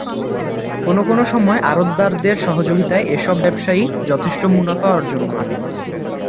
কোনো কোনো সময় আড়তদারের সহযোগিতায় এসব ব্যবসায়ী যথেষ্ট মুনাফা অর্জন করেন।